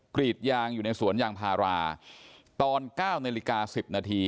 กรีดยางอยู่ในสวนยางพาราตอน๙นาฬิกา๑๐นาที